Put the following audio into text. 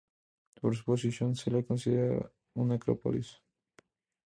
Por su posición se la considera una acrópolis.